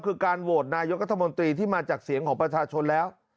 คือการโหวตนายกรัฐมนตรีที่มาจากเสียงของประชาชนแล้ว